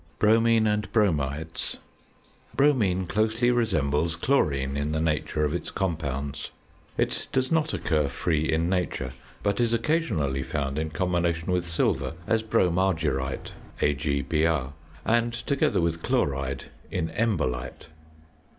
BROMINE AND BROMIDES. Bromine closely resembles chlorine in the nature of its compounds. It does not occur free in nature, but is occasionally found in combination with silver as bromargyrite (AgBr) and, together with chloride, in embolite.